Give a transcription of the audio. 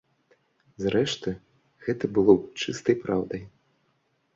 Зрэшты, гэта было б чыстай праўдай.